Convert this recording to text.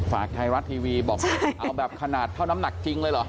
ฝากไทยรัฐทีวีบอกเอาแบบขนาดเท่าน้ำหนักจริงเลยเหรอ